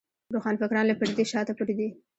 روښانفکران له پردې شاته پټ دي.